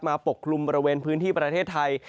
ปกคลุมบริเวณพื้นที่ประเทศไทย